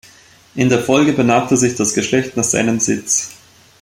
In der Folge benannte sich das Geschlecht nach seinem Sitz.